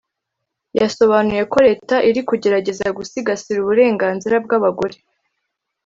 yasobanuye ko leta iri kugerageza gusigasira uburenganzira bw’abagore